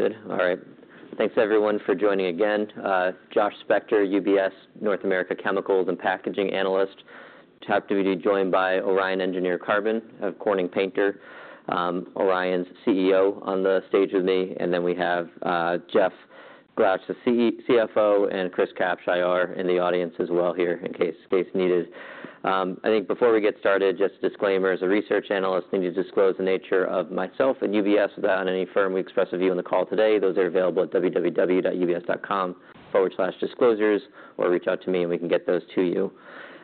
Good. All right. Thanks, everyone, for joining again. Josh Spector, UBS, North America Chemicals and Packaging analyst. Today, I'll be joined by Orion Engineered Carbons' Corning Painter, Orion's CEO on the stage with me, and then we have Jeff Glajch, the CFO, and Chris Kapsch, IR, in the audience as well here, in case needed. I think before we get started, just a disclaimer, as a research analyst, I need to disclose the nature of myself and UBS about any firm we express a view on the call today. Those are available at www.ubs.com/disclosures, or reach out to me, and we can get those to you.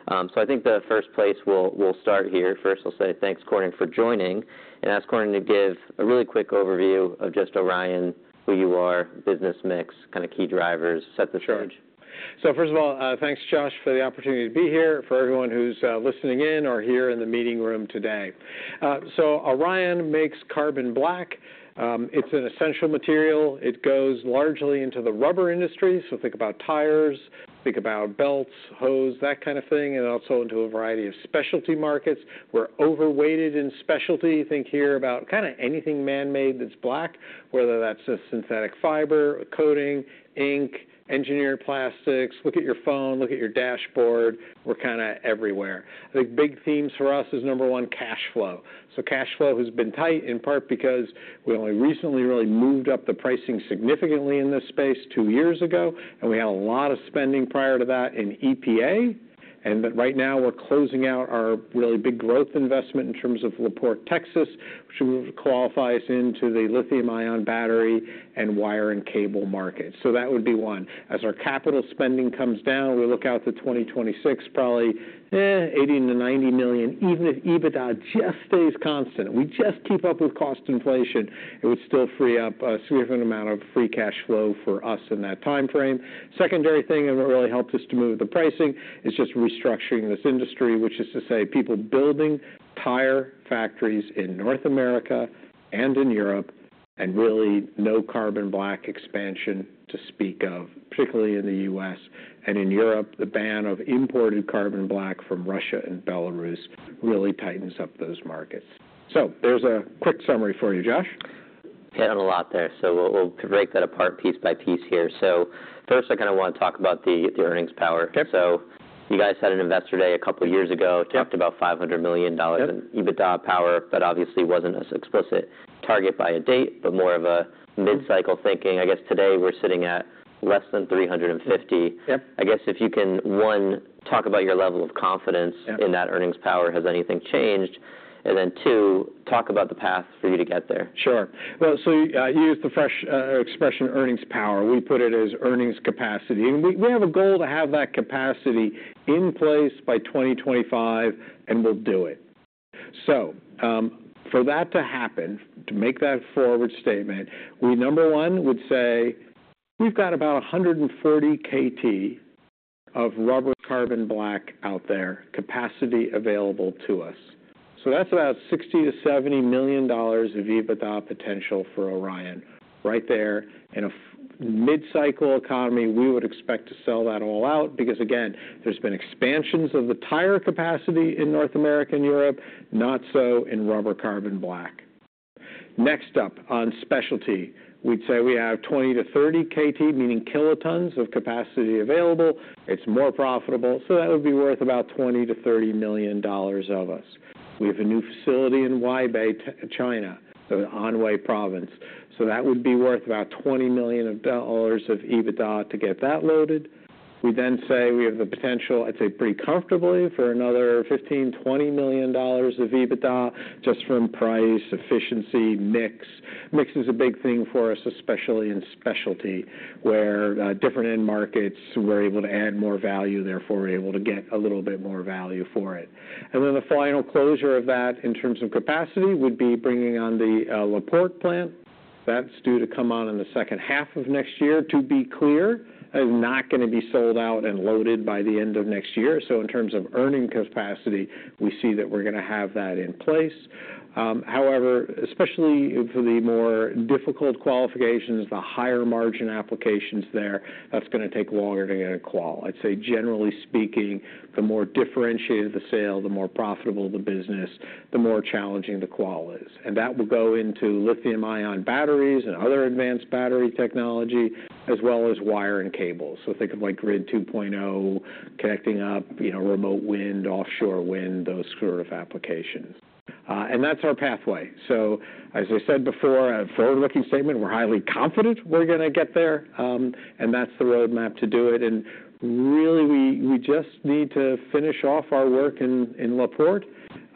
So I think the first place we'll start here, first, I'll say thanks, Corning, for joining, and ask Corning to give a really quick overview of just Orion, who you are, business mix, kinda key drivers, set the stage. Sure. So first of all, thanks, Josh, for the opportunity to be here, for everyone who's listening in or here in the meeting room today. So Orion makes carbon black. It's an essential material. It goes largely into the rubber industry. So think about tires, think about belts, hose, that kind of thing, and also into a variety of specialty markets. We're overweighted in specialty. Think here about kinda anything man-made that's black, whether that's a synthetic fiber, a coating, ink, engineered plastics. Look at your phone, look at your dashboard, we're kinda everywhere. The big themes for us is, number one, cash flow. So cash flow has been tight, in part because we only recently really moved up the pricing significantly in this space two years ago, and we had a lot of spending prior to that in EPA. Right now, we're closing out our really big growth investment in terms of La Porte, Texas, which will qualify us into the lithium-ion battery and wire and cable market. So that would be one. As our capital spending comes down, we look out to 2026, probably, $80-$90 million. Even if EBITDA just stays constant, we just keep up with cost inflation, it would still free up a significant amount of free cash flow for us in that time frame. Secondary thing, and what really helped us to move the pricing, is just restructuring this industry, which is to say, people building tire factories in North America and in Europe, and really no carbon black expansion to speak of, particularly in the US. And in Europe, the ban of imported carbon black from Russia and Belarus really tightens up those markets. So there's a quick summary for you, Josh. Hit on a lot there. So we'll, we'll break that apart piece by piece here. So first, I kinda wanna talk about the earnings power. Yep. So you guys had an investor day a couple of years ago- Yep. talked about $500 million Yep - in EBITDA power, but obviously wasn't as explicit target by a date, but more of a mid-cycle thinking. I guess today we're sitting at less than 350. Yep. I guess if you can, one, talk about your level of confidence- Yep - in that earnings power, has anything changed? And then, two, talk about the path for you to get there. Sure. Well, so, you used the fresh expression, earnings power. We put it as earnings capacity, and we have a goal to have that capacity in place by twenty twenty-five, and we'll do it. So, for that to happen, to make that forward statement, we, number one, would say we've got about 140 KT of rubber carbon black out there, capacity available to us. So that's about $60 million-$70 million of EBITDA potential for Orion right there. In a mid-cycle economy, we would expect to sell that all out, because, again, there's been expansions of the tire capacity in North America and Europe, not so in rubber carbon black. Next up, on specialty, we'd say we have 20 to 30 KT, meaning kilotons, of capacity available. It's more profitable, so that would be worth about $20-$30 million of EBITDA. We have a new facility in Huaibei, in China, the Anhui Province, so that would be worth about $20 million of EBITDA to get that loaded. We then say we have the potential, I'd say, pretty comfortably, for another $15-$20 million of EBITDA just from price, efficiency, mix. Mix is a big thing for us, especially in specialty, where different end markets, we're able to add more value, therefore, we're able to get a little bit more value for it. And then the final closure of that, in terms of capacity, would be bringing on the La Porte plant. That's due to come on in the second half of next year. To be clear, it is not gonna be sold out and loaded by the end of next year. So in terms of earning capacity, we see that we're gonna have that in place. However, especially for the more difficult qualifications, the higher margin applications there, that's gonna take longer to get a qual. I'd say, generally speaking, the more differentiated the sale, the more profitable the business, the more challenging the qual is. And that will go into lithium-ion batteries and other advanced battery technology, as well as wire and cable. So think of like Grid 2.0, connecting up, you know, remote wind, offshore wind, those sort of applications. And that's our pathway. So as I said before, a forward-looking statement, we're highly confident we're gonna get there, and that's the roadmap to do it. And really, we just need to finish off our work in La Porte,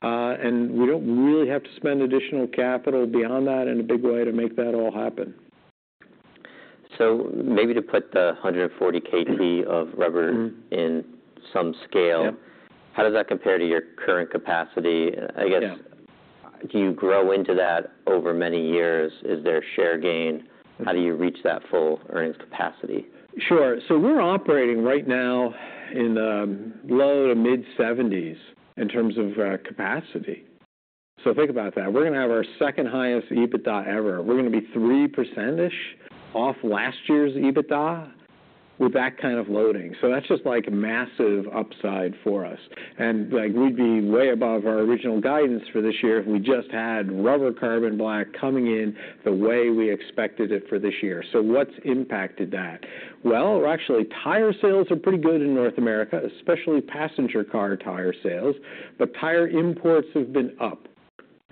and we don't really have to spend additional capital beyond that in a big way to make that all happen. So maybe to put the 140 KT of rubber- Mm-hmm in some scale Yep... how does that compare to your current capacity? Yeah. I guess, do you grow into that over many years? Is there a share gain? How do you reach that full earnings capacity? Sure. So we're operating right now in low to mid-seventies in terms of capacity. So think about that. We're gonna have our second highest EBITDA ever. We're gonna be 3%-ish off last year's EBITDA... with that kind of loading. So that's just like massive upside for us. And, like, we'd be way above our original guidance for this year if we just had rubber carbon black coming in the way we expected it for this year. So what's impacted that? Well, actually, tire sales are pretty good in North America, especially passenger car tire sales, but tire imports have been up,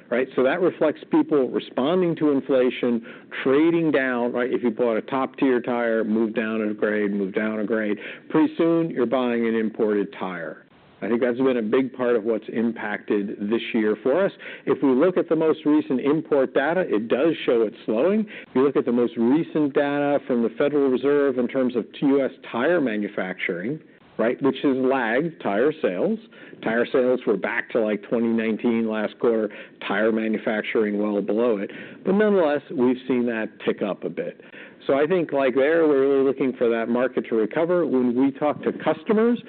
right? So that reflects people responding to inflation, trading down, right? If you bought a top-tier tire, move down a grade, move down a grade. Pretty soon, you're buying an imported tire. I think that's been a big part of what's impacted this year for us. If we look at the most recent import data, it does show it's slowing. If you look at the most recent data from the Federal Reserve in terms of U.S. tire manufacturing, right, which has lagged tire sales, tire sales were back to, like, 2019 last quarter, tire manufacturing well below it. But nonetheless, we've seen that tick up a bit. So I think, like, there, we're really looking for that market to recover. When we talk to customers,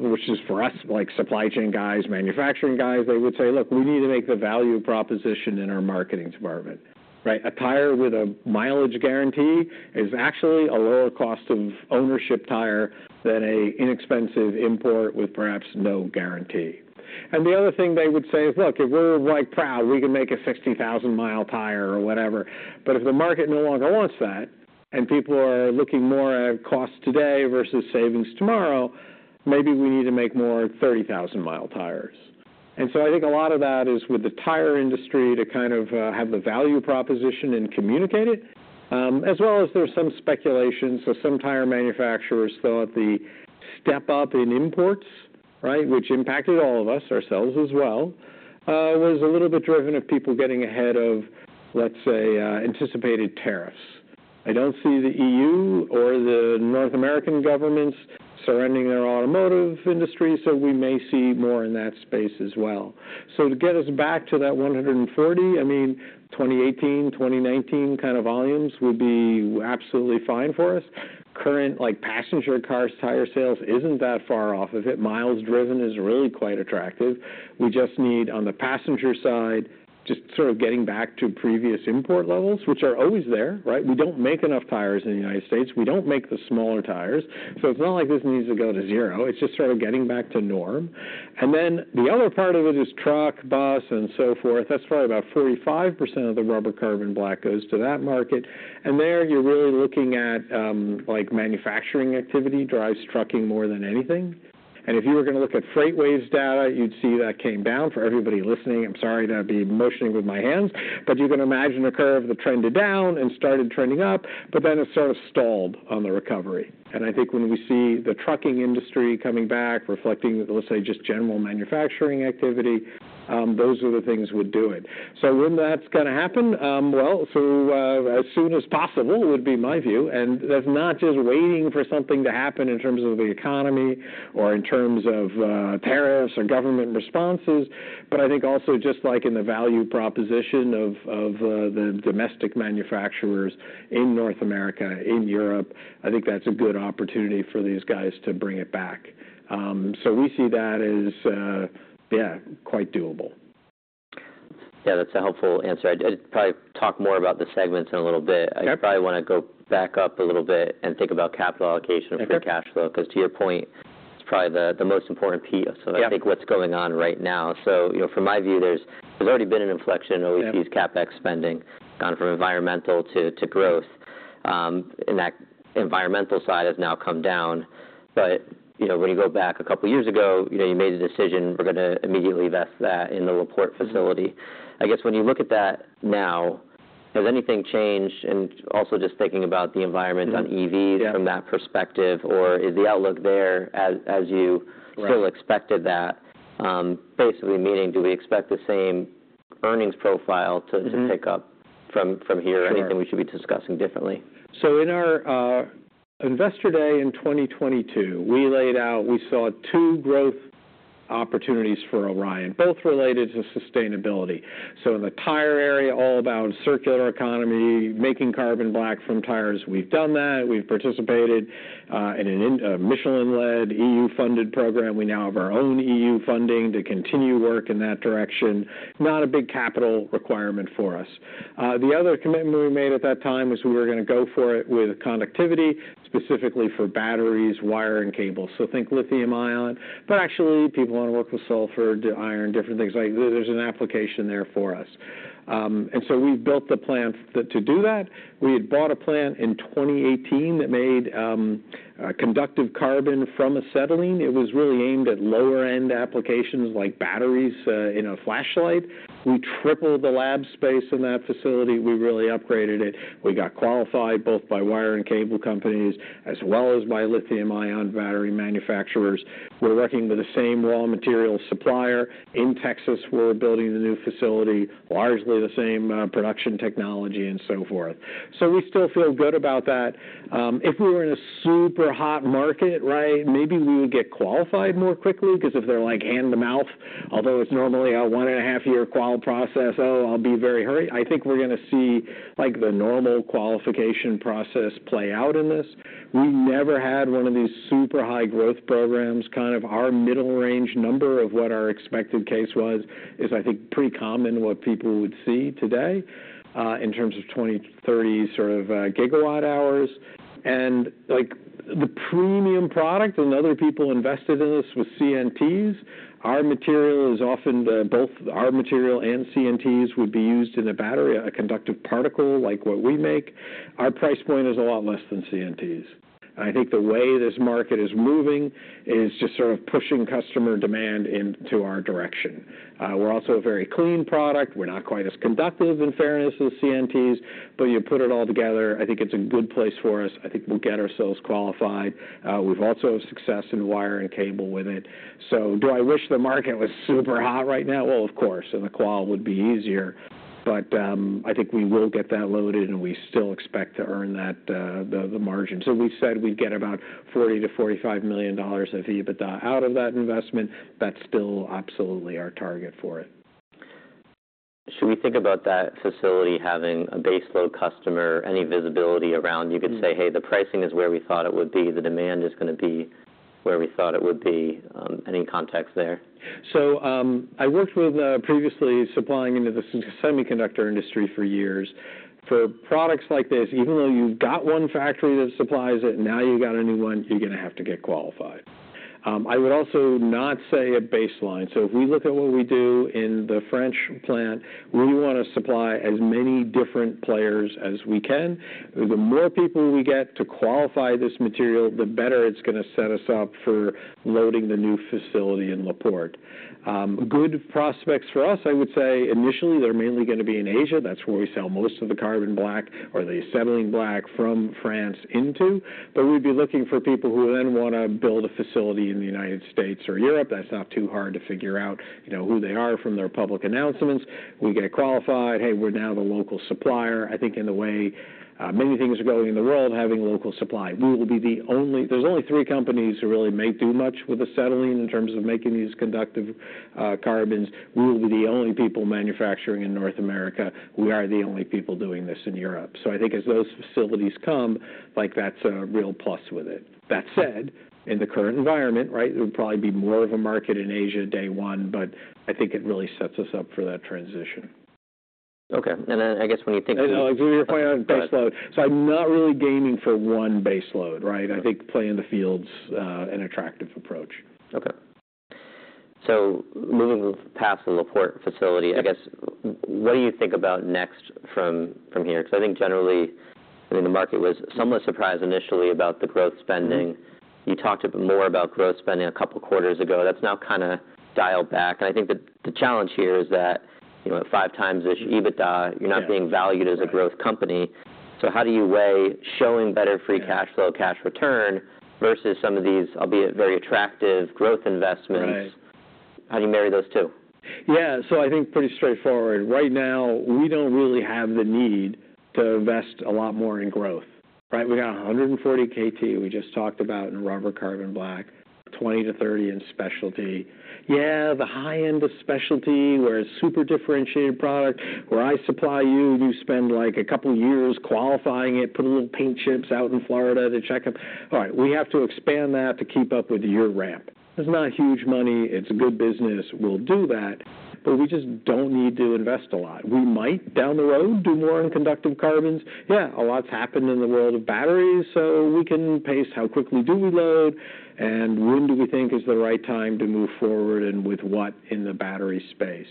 which is for us, like, supply chain guys, manufacturing guys, they would say, "Look, we need to make the value proposition in our marketing department," right? A tire with a mileage guarantee is actually a lower cost of ownership tire than an inexpensive import with perhaps no guarantee. The other thing they would say is, "Look, if we're, like, produce, we can make a 60,000-mile tire or whatever. But if the market no longer wants that, and people are looking more at cost today versus savings tomorrow, maybe we need to make more 30,000-mile tires." So I think a lot of that is with the tire industry to kind of have the value proposition and communicate it, as well as there's some speculation. So some tire manufacturers thought the step up in imports, right, which impacted all of us, ourselves as well, was a little bit driven by people getting ahead of, let's say, anticipated tariffs. I don't see the EU or the North American governments surrounding their automotive industry, so we may see more in that space as well. To get us back to that 140, I mean, 2018, 2019 kind of volumes would be absolutely fine for us. Current, like, passenger cars tire sales isn't that far off of it. Miles driven is really quite attractive. We just need, on the passenger side, just sort of getting back to previous import levels, which are always there, right? We don't make enough tires in the United States. We don't make the smaller tires, so it's not like this needs to go to zero. It's just sort of getting back to norm. And then the other part of it is truck, bus, and so forth. That's probably about 45% of the rubber carbon black goes to that market. And there, you're really looking at, like, manufacturing activity drives trucking more than anything. If you were gonna look at FreightWaves data, you'd see that came down. For everybody listening, I'm sorry that I'd be motioning with my hands, but you can imagine a curve that trended down and started trending up, but then it sort of stalled on the recovery. I think when we see the trucking industry coming back, reflecting, let's say, just general manufacturing activity, those are the things would do it. When that's gonna happen? As soon as possible would be my view, and that's not just waiting for something to happen in terms of the economy or in terms of tariffs or government responses, but I think also just like in the value proposition of the domestic manufacturers in North America, in Europe, I think that's a good opportunity for these guys to bring it back. So we see that as, yeah, quite doable. Yeah, that's a helpful answer. I'd probably talk more about the segments in a little bit. Okay. I probably wanna go back up a little bit and think about capital allocation- Okay. -for cash flow, because to your point, it's probably the most important piece. Yeah. -of, I think, what's going on right now. So, you know, from my view, there's already been an inflection- Yeah -in [OEC's] CapEx spending, gone from environmental to, to growth. And that environmental side has now come down. But, you know, when you go back a couple of years ago, you know, you made a decision, we're gonna immediately invest that in the La Porte facility. I guess when you look at that now, has anything changed? And also just thinking about the environment on EVs- Yeah... from that perspective, or is the outlook there as you- Right... still expected that? Basically, meaning, do we expect the same earnings profile to- Mm-hmm to pick up from here? Sure. Anything we should be discussing differently? So in our Investor Day in twenty twenty-two, we laid out, we saw two growth opportunities for Orion, both related to sustainability. In the tire area, all about circular economy, making carbon black from tires. We've done that. We've participated in a Michelin-led, EU-funded program. We now have our own EU funding to continue work in that direction. Not a big capital requirement for us. The other commitment we made at that time was we were gonna go for it with conductivity, specifically for batteries, wire, and cable. Think lithium-ion, but actually, people want to work with sulfur, iron, different things. Like, there's an application there for us. And so we've built the plant to do that. We had bought a plant in twenty eighteen that made conductive carbon from acetylene. It was really aimed at lower-end applications like batteries in a flashlight. We tripled the lab space in that facility. We really upgraded it. We got qualified both by wire and cable companies, as well as by lithium-ion battery manufacturers. We're working with the same raw material supplier. In Texas, we're building a new facility, largely the same production technology and so forth. So we still feel good about that. If we were in a super hot market, right, maybe we would get qualified more quickly, because if they're like hand to mouth, although it's normally a one-and-a-half-year qual process, oh, I'll be very hurried. I think we're gonna see, like, the normal qualification process play out in this. We never had one of these super high growth programs. Kind of our middle-range number of what our expected case was is, I think, pretty common what people would see today, in terms of 20-30 sort of gigawatt hours. Like, the premium product, and other people invested in this with CNTs, our material is often the both our material and CNTs would be used in a battery, a conductive particle, like what we make. Our price point is a lot less than CNTs. I think the way this market is moving is just sort of pushing customer demand into our direction. We're also a very clean product. We're not quite as conductive, in fairness, as CNTs, but you put it all together, I think it's a good place for us. I think we'll get ourselves qualified. We've also had success in wire and cable with it. So do I wish the market was super hot right now? Well, of course, and the qual would be easier, but, I think we will get that loaded, and we still expect to earn that, the margin. So we've said we'd get about $40 million-$45 million of EBITDA out of that investment. That's still absolutely our target for it. Should we think about that facility having a baseload customer? Any visibility around, you could say, "Hey, the pricing is where we thought it would be. The demand is gonna be where we thought it would be." Any context there? So, I worked with, previously supplying into the semiconductor industry for years. For products like this, even though you've got one factory that supplies it, now you've got a new one, you're gonna have to get qualified. I would also not say a baseline. So if we look at what we do in the French plant, we want to supply as many different players as we can. The more people we get to qualify this material, the better it's gonna set us up for loading the new facility in La Porte. Good prospects for us, I would say, initially, they're mainly gonna be in Asia. That's where we sell most of the carbon black or the acetylene black from France into. But we'd be looking for people who then wanna build a facility in the United States or Europe. That's not too hard to figure out, you know, who they are from their public announcements. We get qualified, "Hey, we're now the local supplier," I think, in the way many things are going in the world, having local supply. We will be the only. There's only three companies who really may do much with acetylene in terms of making these conductive carbons. We will be the only people manufacturing in North America. We are the only people doing this in Europe. So I think as those facilities come, like, that's a real plus with it. That said, in the current environment, right, it would probably be more of a market in Asia, day one, but I think it really sets us up for that transition. Okay. And then, I guess when you think- Well, when you're planning on baseload. So I'm not really gaming for one baseload, right? I think playing the field is an attractive approach. Okay. So moving past the La Porte facility, I guess, what do you think about next from here? Because I think generally, I mean, the market was somewhat surprised initially about the growth spending. Mm-hmm. You talked a bit more about growth spending a couple of quarters ago. That's now kind of dialed back, and I think the challenge here is that, you know, at five times this EBITDA- Yeah... you're not being valued as a growth company. Right. So how do you weigh showing better free cash flow, cash return, versus some of these, albeit very attractive, growth investments? Right. How do you marry those two? Yeah, so I think pretty straightforward. Right now, we don't really have the need to invest a lot more in growth, right? We got 140 KT we just talked about in rubber carbon black, 20-30 in specialty. Yeah, the high end of specialty, where it's super differentiated product, where I supply you, you spend, like, a couple of years qualifying it, putting little paint chips out in Florida to check them. All right, we have to expand that to keep up with your ramp. It's not huge money. It's a good business. We'll do that, but we just don't need to invest a lot. We might, down the road, do more in conductive carbons. Yeah, a lot's happened in the world of batteries, so we can pace how quickly do we load, and when do we think is the right time to move forward and with what in the battery space?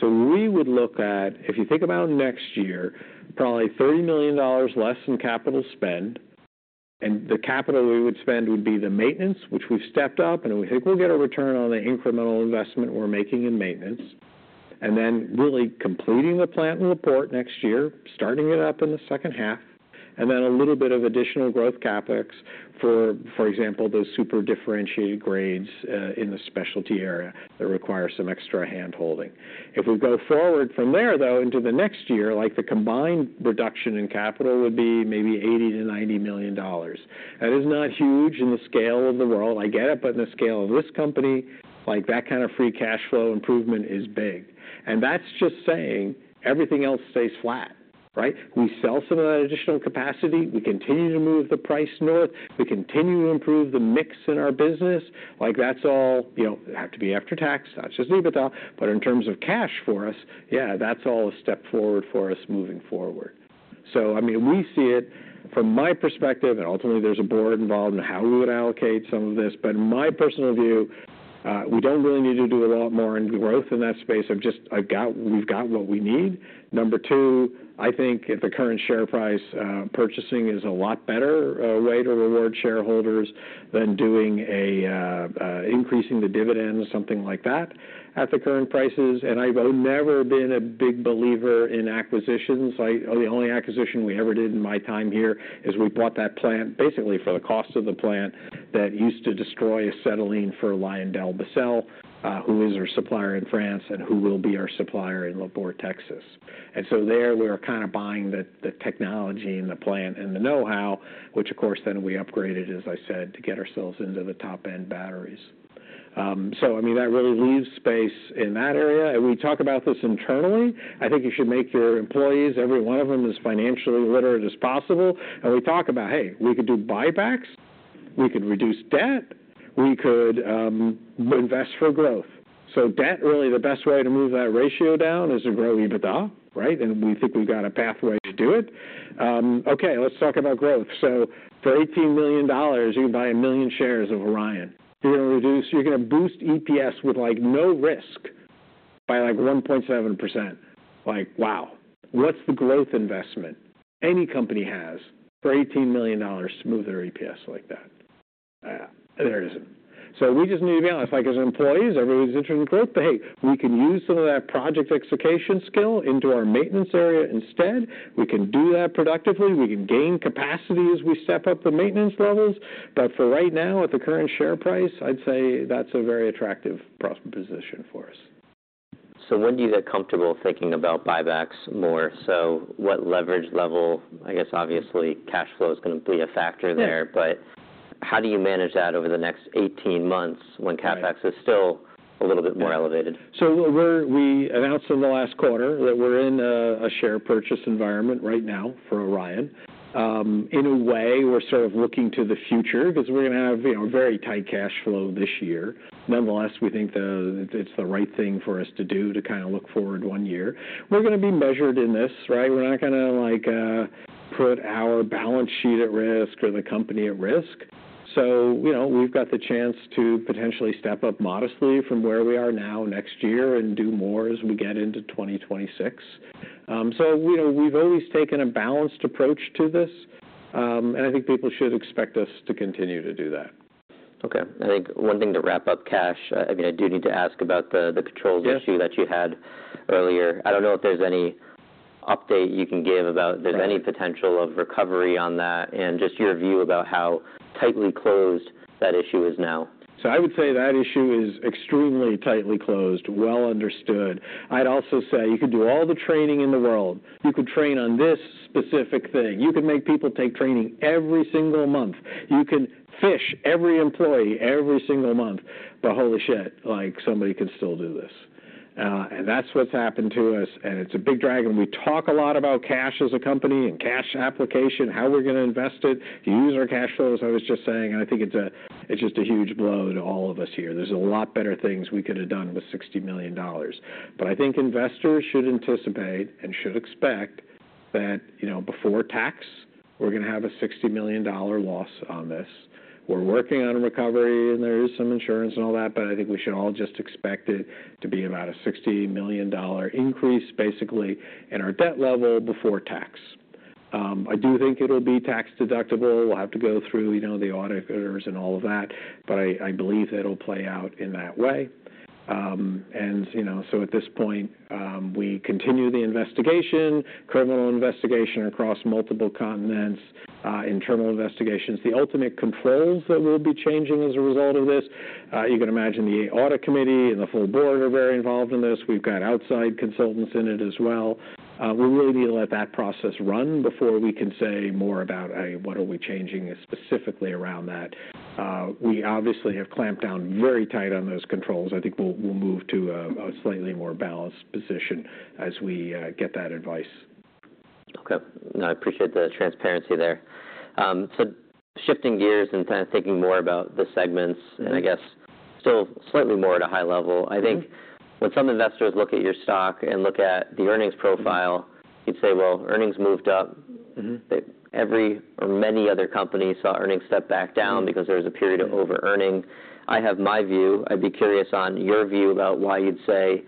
So we would look at, if you think about next year, probably $30 million less in capital spend, and the capital we would spend would be the maintenance, which we've stepped up, and we think we'll get a return on the incremental investment we're making in maintenance. And then really completing the plant in La Porte next year, starting it up in the second half, and then a little bit of additional growth CapEx, for example, those super differentiated grades in the specialty area that require some extra hand-holding. If we go forward from there, though, into the next year, like, the combined reduction in capital would be maybe $80-90 million. That is not huge in the scale of the world, I get it, but in the scale of this company, like, that kind of free cash flow improvement is big, and that's just saying everything else stays flat, right? We sell some of that additional capacity, we continue to move the price north, we continue to improve the mix in our business. Like, that's all... You know, it'd have to be after tax, not just EBITDA, but in terms of cash for us, yeah, that's all a step forward for us moving forward. So I mean, we see it from my perspective, and ultimately, there's a board involved in how we would allocate some of this, but in my personal view, we don't really need to do a lot more in growth in that space. We've got what we need. Number two, I think at the current share price, purchasing is a lot better way to reward shareholders than doing a increasing the dividend or something like that at the current prices. And I've never been a big believer in acquisitions. The only acquisition we ever did in my time here is we bought that plant, basically for the cost of the plant, that used to destroy acetylene for LyondellBasell, who is our supplier in France and who will be our supplier in La Porte, Texas. And so there, we are kind of buying the technology and the plant and the know-how, which, of course, then we upgraded, as I said, to get ourselves into the top-end batteries. So, I mean, that really leaves space in that area. And we talk about this internally. I think you should make your employees, every one of them, as financially literate as possible. And we talk about, hey, we could do buybacks, we could reduce debt, we could invest for growth. So debt, really, the best way to move that ratio down is to grow EBITDA, right? And we think we've got a pathway to do it. Okay, let's talk about growth. So for $18 million, you can buy 1 million shares of Orion. You're gonna boost EPS with, like, no risk by like 1.7%. Like, wow, what's the growth investment any company has for $18 million to move their EPS like that? Yeah, there isn't. So we just need to be honest, like, as employees, everybody's interested in growth, but hey, we can use some of that project fixation skill into our maintenance area instead. We can do that productively. We can gain capacity as we step up the maintenance levels. But for right now, at the current share price, I'd say that's a very attractive prospect position for us. So when do you get comfortable thinking about buybacks more? So what leverage level? I guess, obviously, cash flow is going to be a factor there- Sure. but how do you manage that over the next 18 months when CapEx- Right is still a little bit more elevated? So we're, we announced in the last quarter that we're in a, a share purchase environment right now for Orion. In a way, we're sort of looking to the future because we're going to have, you know, very tight cash flow this year. Nonetheless, we think it's the right thing for us to do to kind of look forward one year. We're going to be measured in this, right? We're not going to, like, put our balance sheet at risk or the company at risk. So, you know, we've got the chance to potentially step up modestly from where we are now next year and do more as we get into twenty twenty-six. So, you know, we've always taken a balanced approach to this, and I think people should expect us to continue to do that. Okay. I think one thing to wrap up cash, I mean, I do need to ask about the controls issue. Yeah that you had earlier. I don't know if there's any update you can give about- Sure If there's any potential of recovery on that and just your view about how tightly closed that issue is now? I would say that issue is extremely tightly closed, well understood. I'd also say you could do all the training in the world. You could train on this specific thing. You can make people take training every single month. You can phish every employee every single month, but holy shit, like, somebody could still do this. And that's what's happened to us, and it's a big drag on... We talk a lot about cash as a company and cash application, how we're going to invest it, to use our cash flows. I was just saying, I think it's just a huge blow to all of us here. There's a lot better things we could have done with $60 million. But I think investors should anticipate and should expect that, you know, before tax, we're going to have a $60 million loss on this. We're working on a recovery, and there is some insurance and all that, but I think we should all just expect it to be about a $60 million increase, basically, in our debt level before tax. I do think it'll be tax deductible. We'll have to go through, you know, the auditors and all of that, but I believe it'll play out in that way, and you know, so at this point we continue the investigation, criminal investigation across multiple continents, internal investigations. The ultimate controls that we'll be changing as a result of this, you can imagine the audit committee and the full board are very involved in this. We've got outside consultants in it as well. We really need to let that process run before we can say more about "What are we changing specifically around that?" We obviously have clamped down very tight on those controls. I think we'll move to a slightly more balanced position as we get that advice. Okay. No, I appreciate the transparency there. So shifting gears and kind of thinking more about the segments- Mm-hmm. and I guess still slightly more at a high level. Mm-hmm. I think when some investors look at your stock and look at the earnings profile, you'd say, well, earnings moved up. Mm-hmm. Every or many other companies saw earnings step back down because there was a period of overearning. I have my view. I'd be curious on your view about why you'd say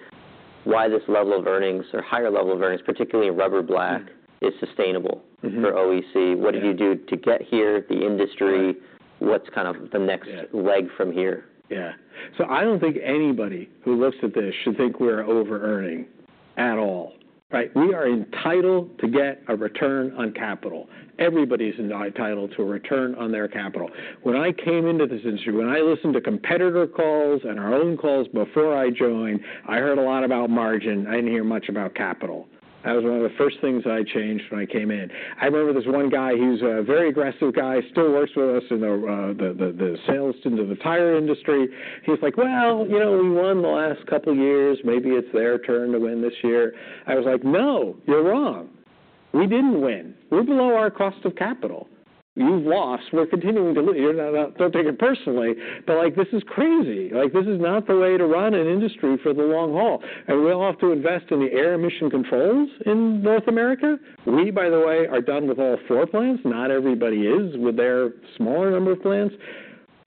this level of earnings or higher level of earnings, particularly in rubber black. Mm. is sustainable. Mm-hmm - for OEC. Yeah. What did you do to get here, the industry? Yeah. What's kind of the next- Yeah - leg from here? Yeah. So I don't think anybody who looks at this should think we're overearning at all, right? We are entitled to get a return on capital. Everybody's entitled to a return on their capital. When I came into this industry, when I listened to competitor calls and our own calls before I joined, I heard a lot about margin. I didn't hear much about capital. That was one of the first things I changed when I came in. I remember this one guy, he was a very aggressive guy, still works with us in the sales team of the tire industry. He's like, "Well, you know, we won the last couple of years. Maybe it's their turn to win this year." I was like, "No, you're wrong. We didn't win. We're below our cost of capital. You've lost. We're continuing to lose. Don't take it personally, but, like, this is crazy! Like, this is not the way to run an industry for the long haul, and we all have to invest in the air emission controls in North America. We, by the way, are done with all four plants. Not everybody is, with their smaller number of plants.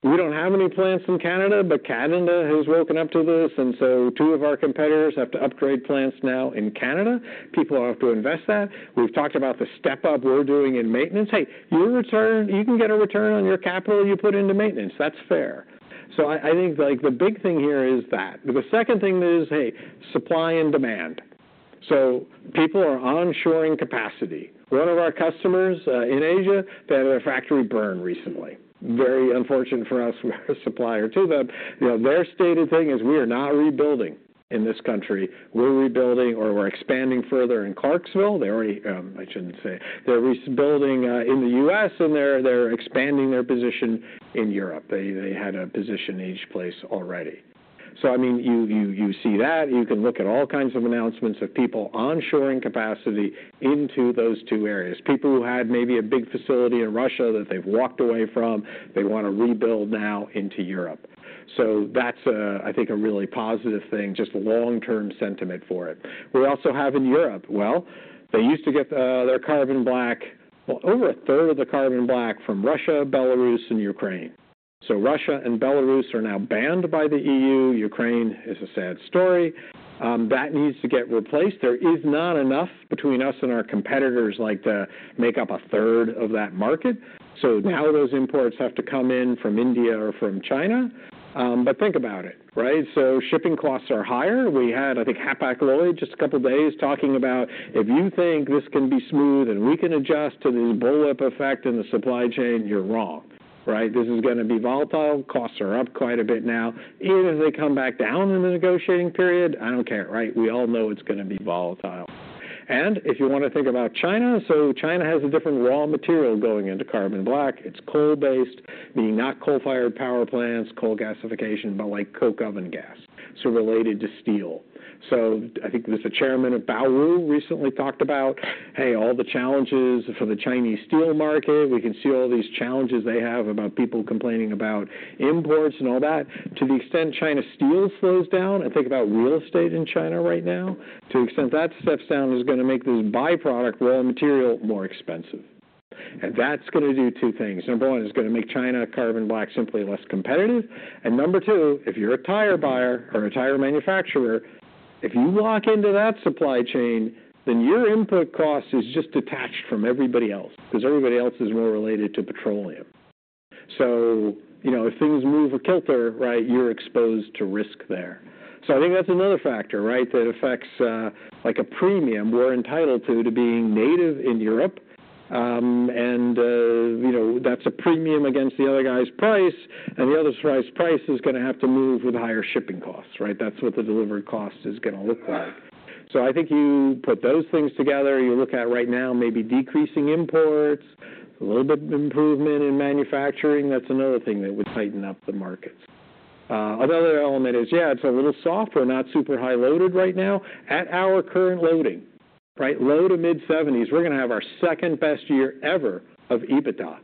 We don't have any plants in Canada, but Canada has woken up to this, and so two of our competitors have to upgrade plants now in Canada. People have to invest that. We've talked about the step-up we're doing in maintenance. Hey, your return, you can get a return on your capital you put into maintenance. That's fair, so I think, like, the big thing here is that. The second thing is, hey, supply and demand, so people are onshoring capacity. One of our customers in Asia, they had a factory burn recently. Very unfortunate for us. We're a supplier to them. You know, their stated thing is we are not rebuilding in this country. We're rebuilding or we're expanding further in Clarksville. I shouldn't say. They're rebuilding in the U.S., and they're expanding their position in Europe. They had a position in each place already. So, I mean, you see that. You can look at all kinds of announcements of people onshoring capacity into those two areas. People who had maybe a big facility in Russia that they've walked away from, they want to rebuild now into Europe. So that's, I think, a really positive thing, just long-term sentiment for it. We also have in Europe. Well, they used to get their carbon black. Well, over a third of the carbon black from Russia, Belarus, and Ukraine. So Russia and Belarus are now banned by the EU. Ukraine is a sad story that needs to get replaced. There is not enough between us and our competitors, like, to make up a third of that market. So now those imports have to come in from India or from China. But think about it, right? So shipping costs are higher. We had, I think, Hapag-Lloyd just a couple of days talking about if you think this can be smooth and we can adjust to the bullwhip effect in the supply chain, you're wrong, right? This is gonna be volatile. Costs are up quite a bit now. Even as they come back down in the negotiating period, I don't care, right? We all know it's gonna be volatile, and if you wanna think about China, so China has a different raw material going into carbon black. It's coal-based, meaning not coal-fired power plants, coal gasification, but like coke oven gas, so related to steel. So I think there's a chairman of Baowu recently talked about, hey, all the challenges for the Chinese steel market. We can see all these challenges they have about people complaining about imports and all that. To the extent China steel slows down, and think about real estate in China right now, to extent that steps down is gonna make this byproduct raw material more expensive. And that's gonna do two things: number one, it's gonna make China carbon black simply less competitive, and number two, if you're a tire buyer or a tire manufacturer, if you lock into that supply chain, then your input cost is just detached from everybody else, 'cause everybody else is more related to petroleum. So, you know, if things move out of kilter, right, you're exposed to risk there. So I think that's another factor, right? That affects like a premium we're entitled to, to being native in Europe. And, you know, that's a premium against the other guy's price, and the other guy's price is gonna have to move with higher shipping costs, right? That's what the delivery cost is gonna look like. So I think you put those things together, you look at right now, maybe decreasing imports, a little bit improvement in manufacturing. That's another thing that would tighten up the markets. Another element is, yeah, it's a little softer, not super high loaded right now. At our current loading, right, low to mid-seventies, we're gonna have our second-best year ever of EBITDA.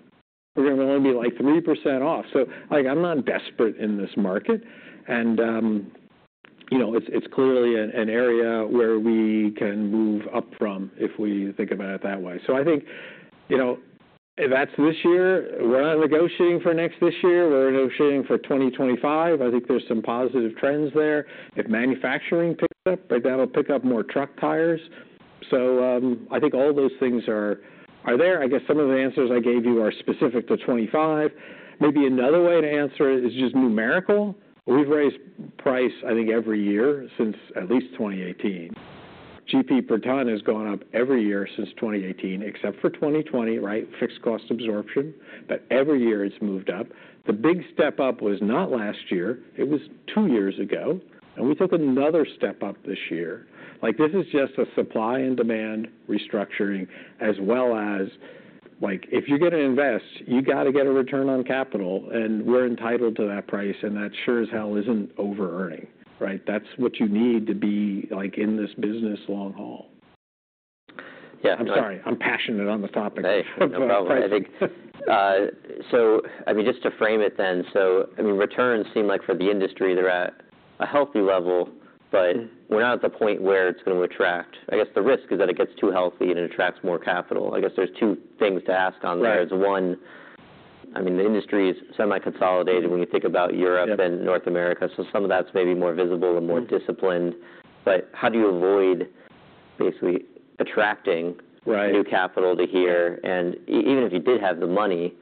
We're gonna only be, like, 3% off. So, like, I'm not desperate in this market. And, you know, it's, it's clearly an area where we can move up from, if we think about it that way. So I think, you know, if that's this year, we're not negotiating for next this year, we're negotiating for 2025. I think there's some positive trends there. If manufacturing picks up, right, that'll pick up more truck tires. So, I think all those things are, are there. I guess some of the answers I gave you are specific to 2025. Maybe another way to answer it is just numerical. We've raised price, I think, every year since at least twenty eighteen. GP per ton has gone up every year since twenty eighteen, except for twenty twenty, right? Fixed cost absorption, but every year it's moved up. The big step up was not last year, it was two years ago, and we took another step up this year. Like, this is just a supply and demand restructuring, as well as, like, if you're gonna invest, you got to get a return on capital, and we're entitled to that price, and that sure as hell isn't over-earning, right? That's what you need to be, like, in this business long haul. Yeah- I'm sorry. I'm passionate on the topic of pricing. No problem. I think, so I mean, just to frame it then, so, I mean, returns seem like for the industry, they're at a healthy level, but we're not at the point where it's gonna attract... I guess the risk is that it gets too healthy and it attracts more capital. I guess there's two things to ask on there. Right. There's one, I mean, the industry is semi-consolidated when you think about Europe- Yeah... and North America, so some of that's maybe more visible and more disciplined. But how do you avoid basically attracting- Right... new capital to here? And even if you did have the money,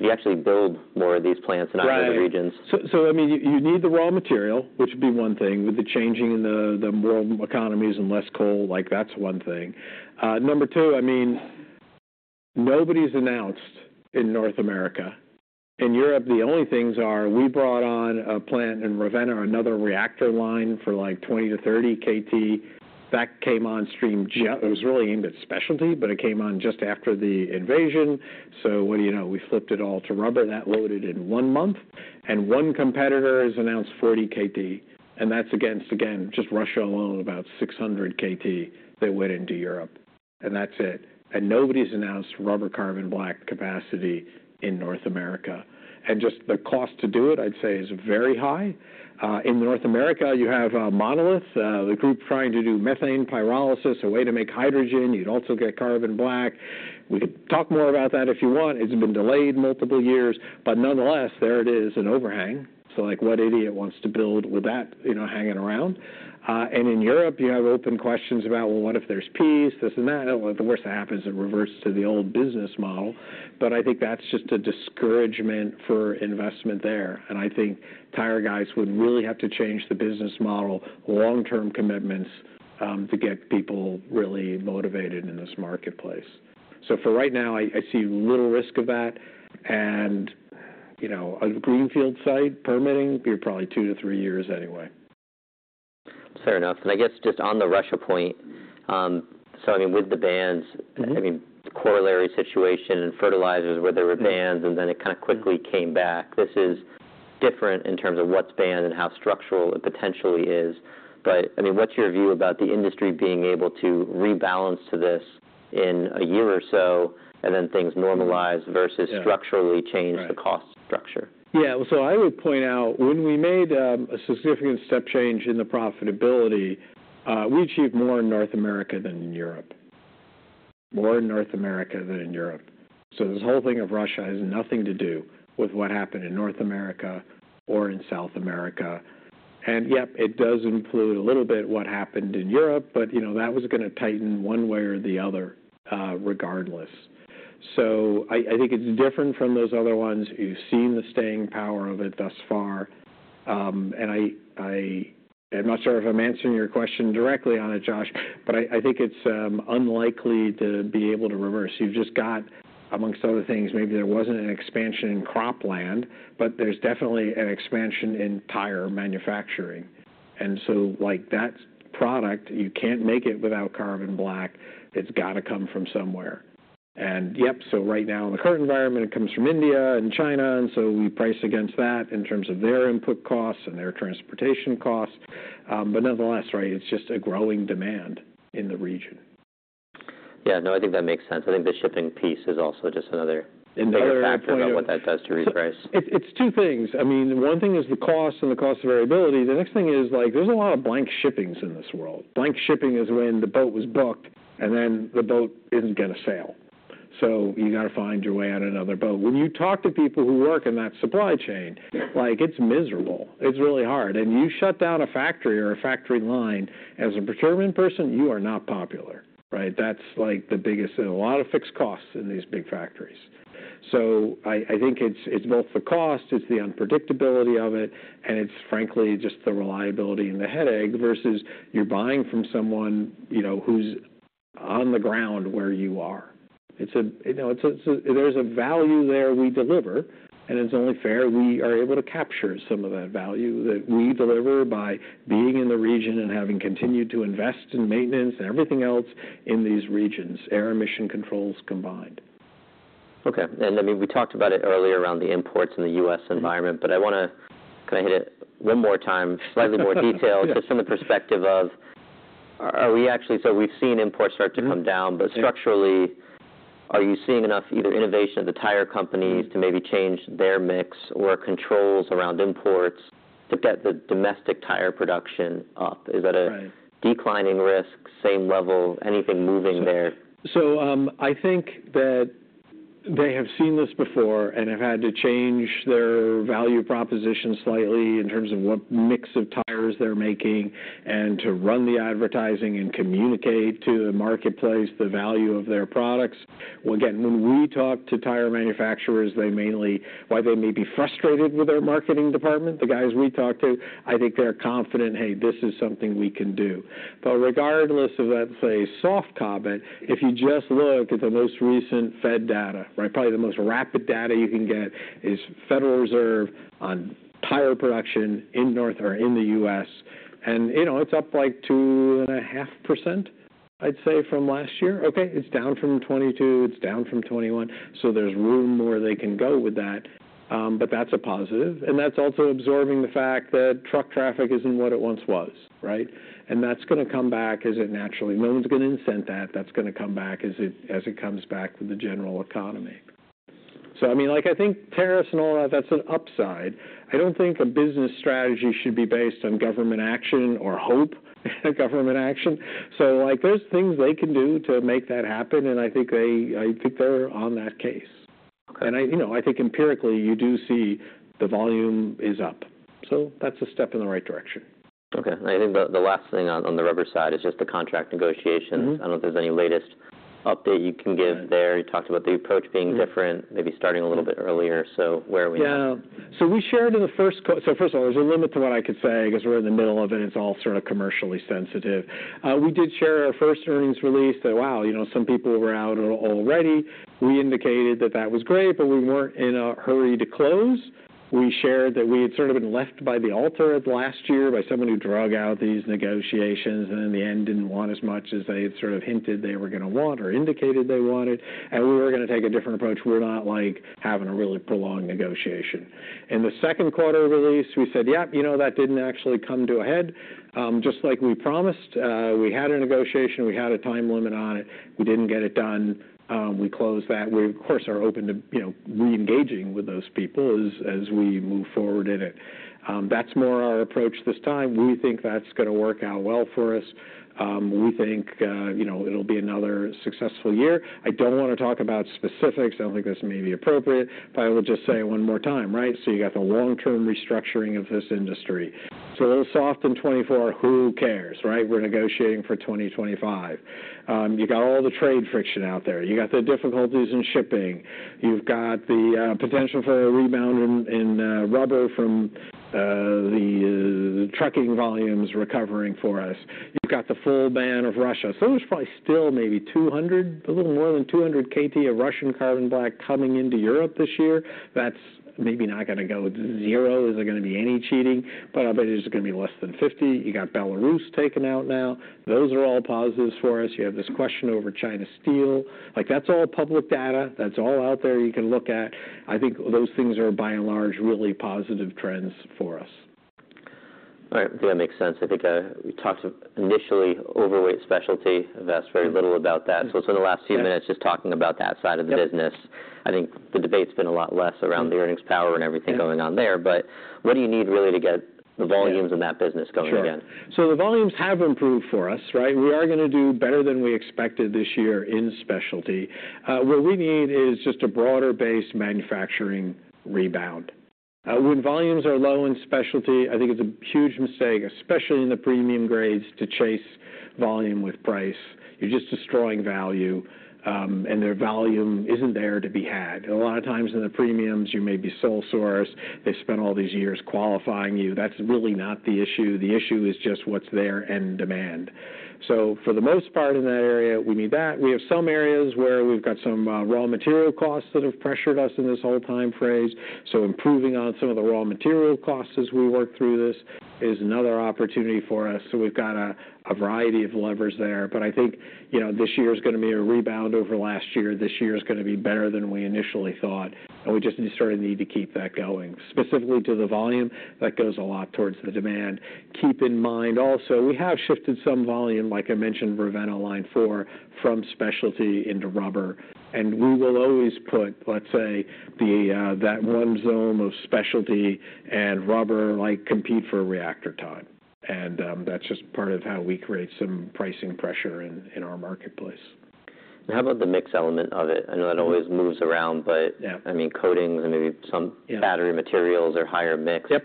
could you actually build more of these plants in other regions? Right. I mean, you need the raw material, which would be one thing, with the changing in the world economies and less coal, like, that's one thing. Number two, I mean, nobody's announced in North America. In Europe, the only things are, we brought on a plant in Ravenna, another reactor line for, like, 20-30 KT. That came on stream just. It was really aimed at specialty, but it came on just after the invasion. So what do you know? We flipped it all to rubber. That loaded in one month, and one competitor has announced 40 KT, and that's against, again, just Russia alone, about 600 KT that went into Europe, and that's it. And nobody's announced rubber carbon black capacity in North America. And just the cost to do it, I'd say, is very high. In North America, you have Monolith, the group trying to do methane pyrolysis, a way to make hydrogen. You'd also get carbon black. We could talk more about that if you want. It's been delayed multiple years, but nonetheless, there it is, an overhang. So, like, what idiot wants to build with that, you know, hanging around? And in Europe, you have open questions about, well, what if there's peace, this and that? Well, the worst that happens, it reverts to the old business model. But I think that's just a discouragement for investment there. And I think tire guys would really have to change the business model, long-term commitments to get people really motivated in this marketplace. So for right now, I see little risk of that. And, you know, a greenfield site, permitting, be probably two to three years anyway. Fair enough. And I guess just on the Russia point, so I mean, with the bans- Mm-hmm. I mean, corollary situation in fertilizers, where there were bans, and then it kind of quickly came back. This is different in terms of what's banned and how structural it potentially is. But I mean, what's your view about the industry being able to rebalance to this in a year or so, and then things normalize? Mm-hmm... versus structurally- Yeah... change the cost structure? Yeah. So I would point out, when we made a significant step change in the profitability, we achieved more in North America than in Europe, more in North America than in Europe. So this whole thing of Russia has nothing to do with what happened in North America or in South America. And yep, it does include a little bit what happened in Europe, but you know, that was gonna tighten one way or the other, regardless. So I think it's different from those other ones. You've seen the staying power of it thus far. And I'm not sure if I'm answering your question directly on it, Josh, but I think it's unlikely to be able to reverse. You've just got, amongst other things, maybe there wasn't an expansion in cropland, but there's definitely an expansion in tire manufacturing. And so, like, that product, you can't make it without carbon black. It's got to come from somewhere. And yep, so right now, in the current environment, it comes from India and China, and so we price against that in terms of their input costs and their transportation costs. But nonetheless, right, it's just a growing demand in the region. Yeah. No, I think that makes sense. I think the shipping piece is also just another- Another point of- -factor of what that does to reprice. It's two things. I mean, one thing is the cost and the cost variability. The next thing is, like, there's a lot of blank sailings in this world. Blank sailings is when the boat was booked, and then the boat isn't gonna sail. So you gotta find your way on another boat. When you talk to people who work in that supply chain, like, it's miserable. It's really hard. And you shut down a factory or a factory line, as a procurement person, you are not popular, right? That's, like, the biggest... There are a lot of fixed costs in these big factories. So I think it's both the cost, it's the unpredictability of it, and it's frankly, just the reliability and the headache, versus you're buying from someone, you know, who's on the ground where you are. You know, there's a value there we deliver, and it's only fair we are able to capture some of that value that we deliver by being in the region and having continued to invest in maintenance and everything else in these regions, air emission controls combined. Okay. And I mean, we talked about it earlier around the imports in the U.S. environment- Mm-hmm. but I wanna kind of hit it one more time, slightly more detail. Yeah. Just from the perspective of, are we actually-- So we've seen imports start to come down- Mm-hmm. -but structurally, are you seeing enough either innovation of the tire companies to maybe change their mix or controls around imports to get the domestic tire production up? Right. Is that a declining risk, same level, anything moving there? I think that they have seen this before and have had to change their value proposition slightly in terms of what mix of tires they're making, and to run the advertising and communicate to the marketplace the value of their products. Again, when we talk to tire manufacturers, they mainly, while they may be frustrated with their marketing department, the guys we talk to, I think they're confident, "Hey, this is something we can do." But regardless of that, say, soft comment, if you just look at the most recent Fed data, right, probably the most rapid data you can get is Federal Reserve on tire production in North America or in the US, and, you know, it's up, like, 2.5%, I'd say, from last year. Okay, it's down from twenty-two, it's down from twenty-one, so there's room where they can go with that, but that's a positive, and that's also absorbing the fact that truck traffic isn't what it once was, right? And that's gonna come back as it naturally... No one's gonna incent that. That's gonna come back as it, as it comes back with the general economy. So I mean, like, I think tariffs and all that, that's an upside. I don't think a business strategy should be based on government action or hope, government action. So, like, there's things they can do to make that happen, and I think they, I think they're on that case. Okay. I, you know, I think empirically, you do see the volume is up, so that's a step in the right direction. Okay. I think the last thing on the rubber side is just the contract negotiations. Mm-hmm. I don't know if there's any latest update you can give there. Right. You talked about the approach being different- Mm. Maybe starting a little bit earlier. So where are we now? Yeah. So first of all, there's a limit to what I could say because we're in the middle of it, and it's all sort of commercially sensitive. We did share our first earnings release that, wow, you know, some people were out already. We indicated that that was great, but we weren't in a hurry to close. We shared that we had sort of been left at the altar last year by someone who drug out these negotiations, and in the end, didn't want as much as they had sort of hinted they were gonna want or indicated they wanted, and we were gonna take a different approach. We're not, like, having a really prolonged negotiation. In the Q2 release, we said, "Yep, you know, that didn't actually come to a head." Just like we promised, we had a negotiation. We had a time limit on it. We didn't get it done, we closed that. We, of course, are open to, you know, reengaging with those people as we move forward in it. That's more our approach this time. We think that's gonna work out well for us. We think, you know, it'll be another successful year. I don't wanna talk about specifics. I don't think that's maybe appropriate, but I will just say it one more time, right? So you got the long-term restructuring of this industry. So a little soft in 2024, who cares, right? We're negotiating for 2025. You got all the trade friction out there. You got the difficulties in shipping. You've got the potential for a rebound in rubber from the trucking volumes recovering for us. You've got the full ban of Russia. So there's probably still maybe 200, a little more than 200 KT of Russian carbon black coming into Europe this year. That's maybe not gonna go to zero. Is there gonna be any cheating? But it's gonna be less than 50. You got Belarus taken out now. Those are all positives for us. You have this question over China's steel. Like, that's all public data. That's all out there you can look at. I think those things are by and large, really positive trends for us. All right. That makes sense. I think we talked initially overweight specialty, and that's very little about that. Mm-hmm. So for the last few minutes, just talking about that side of the business... I think the debate's been a lot less around the earnings power and everything going on there. But what do you need really to get the volumes in that business going again? Sure. So the volumes have improved for us, right? We are gonna do better than we expected this year in specialty. What we need is just a broader base manufacturing rebound. When volumes are low in specialty, I think it's a huge mistake, especially in the premium grades, to chase volume with price. You're just destroying value, and their volume isn't there to be had. A lot of times in the premiums, you may be sole source. They've spent all these years qualifying you. That's really not the issue. The issue is just what's there and demand. So for the most part in that area, we need that. We have some areas where we've got some raw material costs that have pressured us in this whole time frame. Improving on some of the raw material costs as we work through this is another opportunity for us. We've got a variety of levers there. I think, you know, this year is gonna be a rebound over last year. This year is gonna be better than we initially thought, and we just sort of need to keep that going. Specifically to the volume, that goes a lot towards the demand. Keep in mind also, we have shifted some volume, like I mentioned, Ravenna Line Four, from specialty into rubber, and we will always put, let's say, the that one zone of specialty and rubber, like, compete for reactor time. That's just part of how we create some pricing pressure in our marketplace. And how about the mix element of it? I know it always moves around- Mm-hmm. -but, I mean, coatings and maybe some- Yeah Battery materials are higher mix. Yep.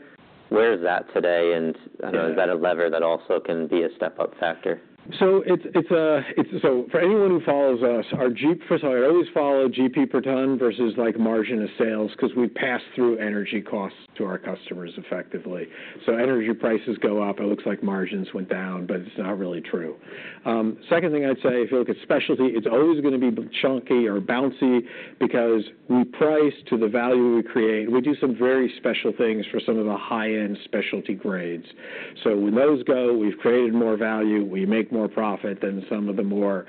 Where is that today, and- Right And is that a lever that also can be a step-up factor? So for anyone who follows us, our GP. First, I always follow GP per ton versus, like, margin of sales, 'cause we pass through energy costs to our customers effectively. So energy prices go up, it looks like margins went down, but it's not really true. Second thing I'd say, if you look at specialty, it's always gonna be chunky or bouncy because we price to the value we create. We do some very special things for some of the high-end specialty grades. So when those go, we've created more value, we make more profit than some of the more,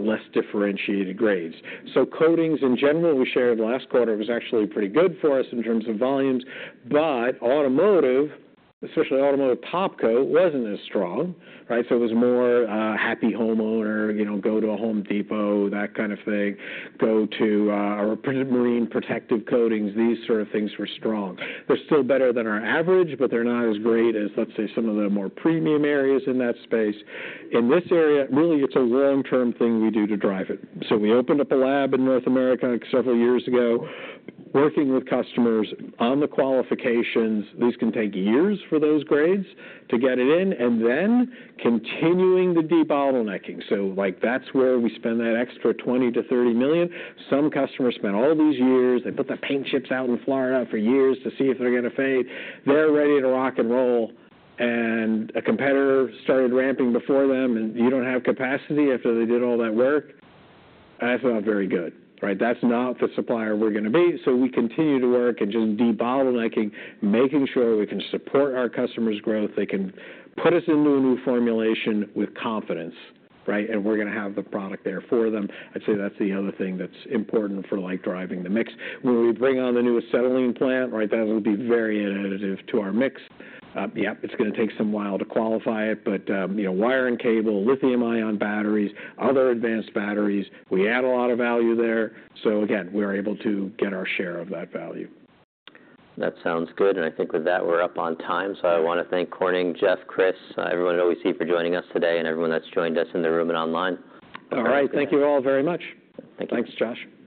less differentiated grades. So coatings in general, we shared last quarter, was actually pretty good for us in terms of volumes, but automotive, especially automotive top coat, wasn't as strong, right? It was more happy homeowner, you know, go to a Home Depot, that kind of thing, go to our marine protective coatings. These sort of things were strong. They're still better than our average, but they're not as great as, let's say, some of the more premium areas in that space. In this area, really, it's a long-term thing we do to drive it. So we opened up a lab in North America several years ago, working with customers on the qualifications. These can take years for those grades to get it in, and then continuing the debottlenecking. So, like, that's where we spend that extra $20 million-$30 million. Some customers spent all these years. They put the paint chips out in Florida for years to see if they're gonna fade. They're ready to rock and roll, and a competitor started ramping before them, and you don't have capacity after they did all that work? That's not very good, right? That's not the supplier we're gonna be. So we continue to work at just debottlenecking, making sure we can support our customers' growth. They can put us into a new formulation with confidence, right? And we're gonna have the product there for them. I'd say that's the other thing that's important for, like, driving the mix. When we bring on the new acetylene plant, right, that will be very additive to our mix. Yep, it's gonna take some while to qualify it, but, you know, wire and cable, lithium-ion batteries, other advanced batteries, we add a lot of value there. So again, we're able to get our share of that value. That sounds good, and I think with that, we're up on time. So I wanna thank Corning, Jeff, Chris, everyone at OEC for joining us today and everyone that's joined us in the room and online. All right. Thank you all very much. Thank you. Thanks, Josh.